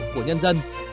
của nhân dân